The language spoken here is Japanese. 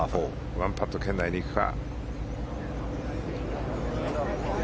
１パット圏内に行くか。